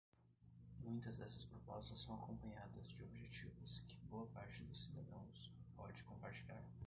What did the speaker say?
Muitas dessas propostas são acompanhadas de objetivos que boa parte dos cidadãos pode compartilhar.